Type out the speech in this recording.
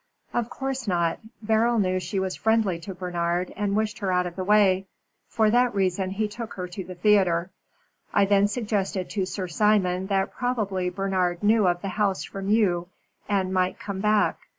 "Of course not. Beryl knew she was friendly to Bernard, and wished her out of the way. For that reason, he took her to the theatre. I then suggested to Sir Simon that probably Bernard knew of the house from you, and might come back.